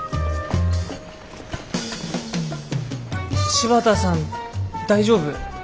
柴田さん大丈夫？